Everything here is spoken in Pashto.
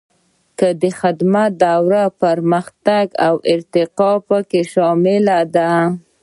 د خدمت دورې پرمختګ او ارتقا پکې شامله ده.